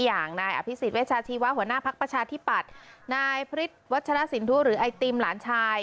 อย่างนายอภิษฎเวชาชีวะหัวหน้าภักดิ์ประชาธิปัตย์นายพฤษวัชรสินทุหรือไอติมหลานชาย